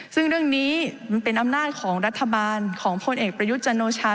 ซึ่งเรื่องนี้มันเป็นอำนาจของรัฐบาลของพลเอกประยุทธ์จันโอชา